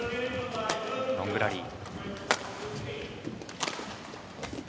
ロングラリー。